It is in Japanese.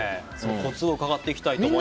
コツを伺っていきたいと思います。